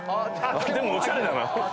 でもおしゃれだな。